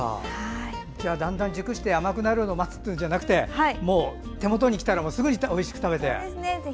だんだん熟して甘くなるのを待つっていうんじゃなくてもう手元にきたらすぐにおいしく食べて。